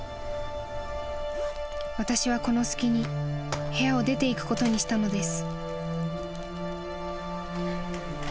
［私はこの隙に部屋を出ていくことにしたのです］